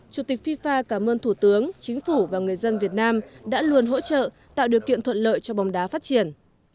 chủ tịch fifa cảm ơn thủ tướng chính phủ và người dân việt nam đã luôn hỗ trợ tạo điều kiện thuận lợi cho bóng đá phát triển